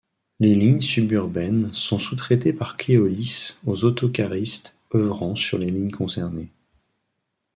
Les lignes suburbaines sont sous-traitées par Keolis aux autocaristes œuvrant sur les lignes concernées.